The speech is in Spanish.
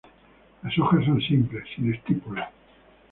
Las hojas son simples, sin estípulas.